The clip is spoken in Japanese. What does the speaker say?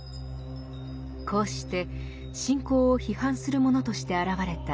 こうして信仰を批判するものとして現れた啓蒙。